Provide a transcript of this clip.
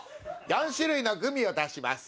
４種類のグミを出します。